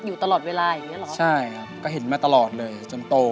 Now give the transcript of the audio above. อยู่ตลอดเวลาอย่างเงี้เหรอใช่ครับก็เห็นมาตลอดเลยจนโต